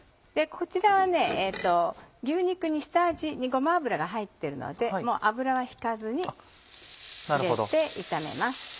こちらは牛肉に下味にごま油が入ってるのでもう油は引かずに入れて炒めます。